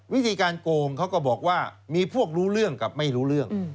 วิธีการโกงเขาก็บอกว่ามีพวกรู้เรื่องกับไม่รู้เรื่อง